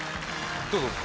どうぞ。